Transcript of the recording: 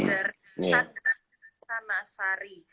dari tanah sari